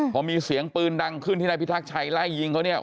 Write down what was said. พอมีเสียงปืนดังขึ้นที่นายพิทักชัยไล่ยิงเขาเนี่ย